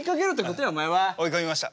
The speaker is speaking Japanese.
追い込みました。